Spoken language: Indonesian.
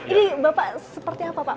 ini bapak seperti apa pak